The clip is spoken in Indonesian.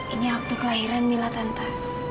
ini akte kelahiran mila tante